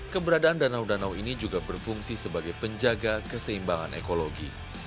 keberadaan danau danau ini juga berfungsi sebagai penjaga keseimbangan ekologi